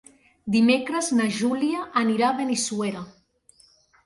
Dimecres na Júlia anirà a Benissuera.